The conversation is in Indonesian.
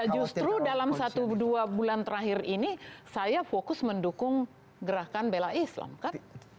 justru dalam satu dua bulan terakhir ini saya fokus mendukung gerakan bela islam kan